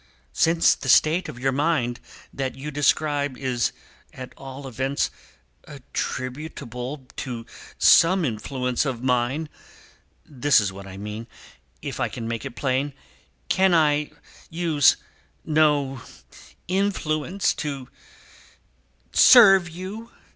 "Since the state of your mind that you describe, is, at all events, attributable to some influence of mine this is what I mean, if I can make it plain can I use no influence to serve you?